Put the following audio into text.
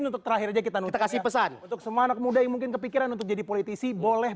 untuk terakhir aja kita kasih pesan untuk semua anak muda yang mungkin kepikiran untuk jadi politisi boleh